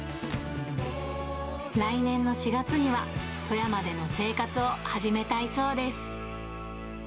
来年の４月には、富山での生活を始めたいそうです。